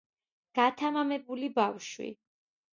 გათამამებული ბავშვი